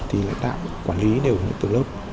thì lãnh đạo quản lý đều từ lớp